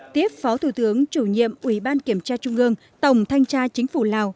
tiếp phó thủ tướng chủ nhiệm ủy ban kiểm tra trung ương tổng thanh tra chính phủ lào